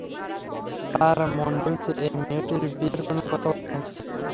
তাঁর মন বলছে, এই মেয়েটির বিয়ের কোনো কথাবার্তা হচ্ছে।